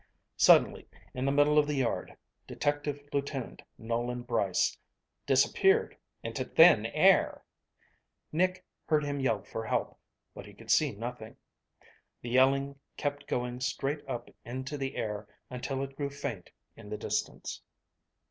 Suddenly, in the middle of the yard, Detective Lieutenant Nolan Brice disappeared into thin air! Nick heard him yell for help, but he could see nothing. The yelling kept going straight up into the air until it grew faint in the distance.